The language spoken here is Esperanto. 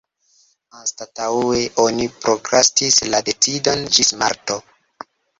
Anstataŭe oni prokrastis la decidon ĝis marto.